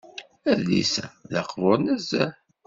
Adlis-a d aqbuṛ nezzeh.